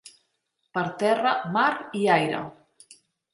Per terra, mar i aire.